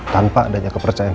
tanpa adanya kepercayaan